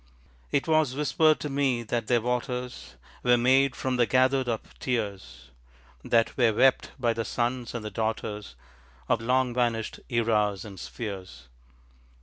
It was whispered to me that their waters Were made from the gathered up tears, That were wept by the sons and the daughters Of long vanished eras and spheres.